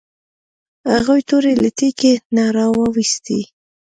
هغوی تورې له تیکي نه راویوستې.